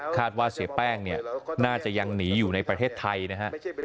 ว่าเสียแป้งเนี่ยน่าจะยังหนีอยู่ในประเทศไทยนะฮะ